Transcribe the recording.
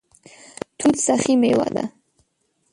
توت سخي میوه ده